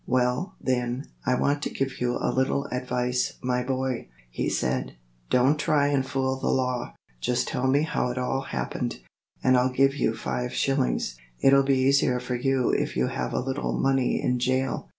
"Well, then, I want to give you a little advice, my boy," he said; "don't try and fool the law. Just tell me how it all happened, and I'll give you five shillings. It'll be easier for you if you have a little money in jail."